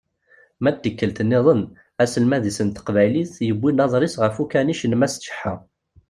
Ma d tikkelt-nniḍen, aselmad-is n teqbaylit, yewwi-d aḍris ɣef ukanic n Mass Ǧeḥḥa.